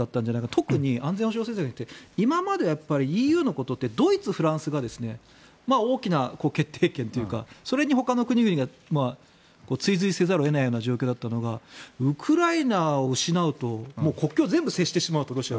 特に、安全保障政策で今までＥＵのことってドイツ、フランスが大きな決定権というかそれにほかの国々が追随せざるを得ない状況だったのがウクライナを失うと、国境が全部ロシアと接してしまうと。